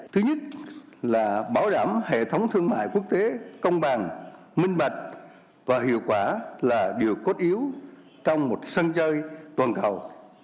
thứ nhất là bảo đảm hệ thống thương mại quốc tế công bằng minh bạch và hiệu quả là điều cốt yếu trong một sân chơi toàn cầu